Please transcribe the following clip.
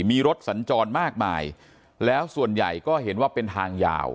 มีรถสัญจรมากมายแล้วส่วนใหญ่ก็เห็นว่าเป็นทางยาว